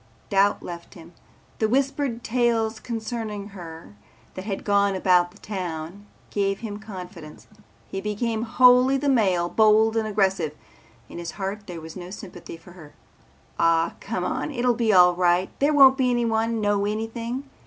Doubt left him. The whispered tales concerning her that had gone about town gave him confidence. He became wholly the male, bold and aggressive. In his heart there was no sympathy for her. "Ah, come on, it'll be all right. There won't be anyone know anything.